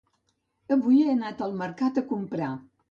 Avui he anat al mercat a comprar